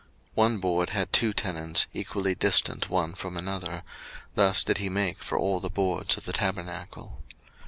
02:036:022 One board had two tenons, equally distant one from another: thus did he make for all the boards of the tabernacle.